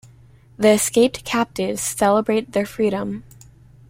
The escaped captives celebrate their freedom.